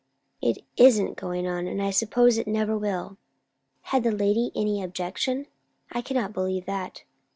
"It isn't going on! and I suppose it never will!" "Had the lady any objection? I cannot believe that."